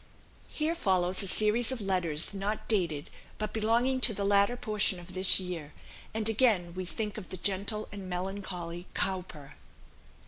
Here follows a series of letters, not dated, but belonging to the latter portion of this year; and again we think of the gentle and melancholy Cowper.